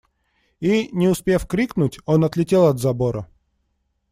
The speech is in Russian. И, не успев крикнуть, он отлетел от забора.